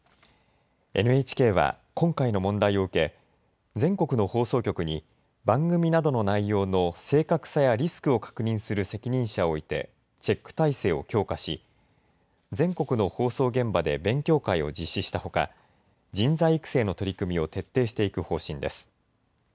ＮＨＫは今回の問題を受け全国の放送局に番組などの内容の正確さやリスクを確認する責任者を置いてチェック体制を強化し全国の放送現場で勉強会を実施したほか、人材育成の取り組みを徹底していく方針です。